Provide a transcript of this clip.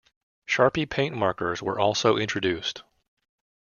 Sharpie Paint markers were also introduced.